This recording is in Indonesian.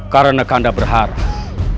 karena kanda berharap